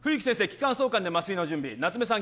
気管挿管で麻酔の準備夏梅さん